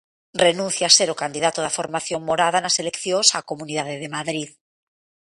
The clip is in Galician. Renuncia a ser o candidato da formación morada nas eleccións á Comunidade de Madrid.